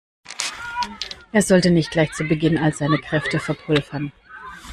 Er sollte nicht gleich zu Beginn all seine Kräfte verpulvern.